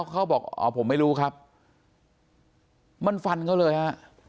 เขาบอกอ๋อผมไม่รู้ครับมันฟันเขาเลยฮะ